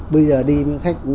bây giờ đi với khách